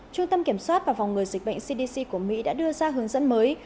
trung tâm kiểm soát và phòng ngừa dịch bệnh cdc của mỹ đã đưa ra hướng dẫn mới